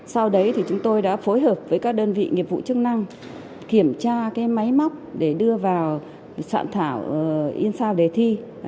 sau đấy thì chúng tôi đã phối hợp với các đơn vị nghiệp vụ chức năng kiểm tra cái máy móc để đưa vào soạn thảo in sao đề thi